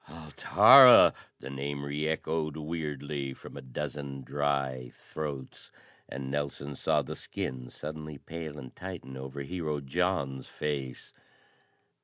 "Altara!" The name reechoed weirdly from a dozen dry throats, and Nelson saw the skin suddenly pale and tighten over Hero John's face.